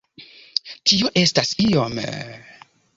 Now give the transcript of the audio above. Tio estas iom...